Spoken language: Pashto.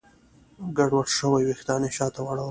ګډوډ شوي وېښتان يې شاته واړول.